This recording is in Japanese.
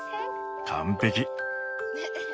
完璧。